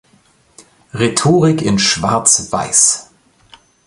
Rhetorik in Schwarz-Weiß.